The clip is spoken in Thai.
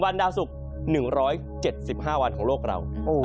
๑วันดาวสุก๑๗๕วันของโลกเรา